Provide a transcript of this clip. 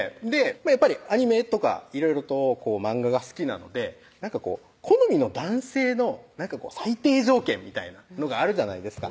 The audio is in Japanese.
やっぱりアニメとかいろいろとマンガが好きなので好みの男性の最低条件みたいなのがあるじゃないですか